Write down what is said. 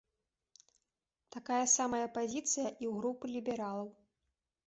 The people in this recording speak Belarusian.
Такая самая пазіцыя і ў групы лібералаў.